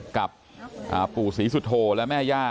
กับปู่ศรีสุโธและแม่ย่า